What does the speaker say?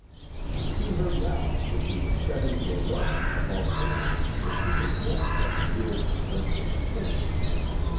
To see her now would be to set into eruption a volcano which he had meant that the years should render extinct.